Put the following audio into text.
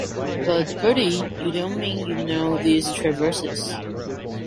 But, Bertie, you don't mean you know these Traverses?